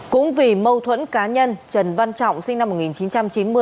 cũng vì mâu thuẫn cá nhân trần văn trọng sinh năm một nghìn chín trăm chín mươi